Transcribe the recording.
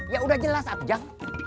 ya udah jelas abjang